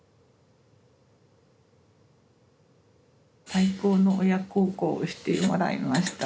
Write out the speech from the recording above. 最高の親孝行をしてもらいました。